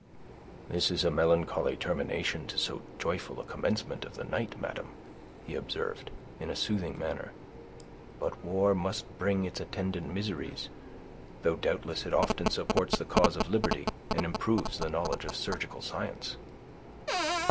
"This is a melancholy termination to so joyful a commencement of the night, madam," he observed, in a soothing manner. "But war must bring its attendant miseries; though doubtless it often supports the cause of liberty, and improves the knowledge of surgical science."